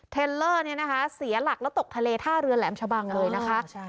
เลอร์เนี่ยนะคะเสียหลักแล้วตกทะเลท่าเรือแหลมชะบังเลยนะคะ